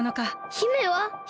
姫は？